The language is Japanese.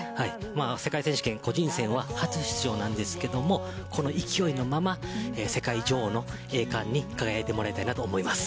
世界選手権、個人戦は初出場ですがこの勢いのまま世界女王の栄冠に輝いてもらいたいと思います。